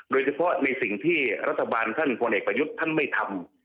โดยเฉพาะในสิ่งที่รัฐบาลท่านพลเอกประยุทธ์ท่านไม่ทำ